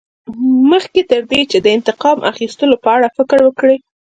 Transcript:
مخکې تر دې چې د انتقام اخیستلو په اړه فکر وکړې.